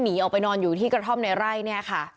หนีออกไปนอนอยู่ที่กระท่อมในไร่เนี่ยค่ะ